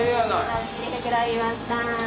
・ばっちり膨らみました・